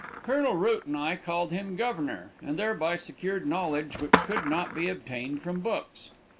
Colonel Root and I called him "Governor," and thereby secured knowledge which could not be obtained from books.